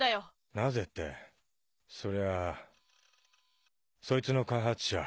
なぜってそりゃそいつの開発者